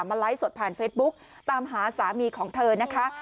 ไลฟ์สดผ่านเฟซบุ๊กตามหาสามีของเธอนะคะ